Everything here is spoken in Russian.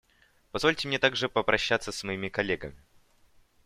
Позвольте мне также попрощаться с моими коллегами.